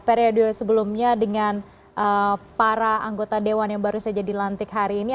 periode sebelumnya dengan para anggota dewan yang baru saja dilantik hari ini